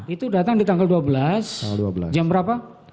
itu datang di tanggal dua belas jam berapa